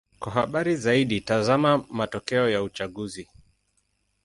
Kwa habari zaidi: tazama matokeo ya uchaguzi.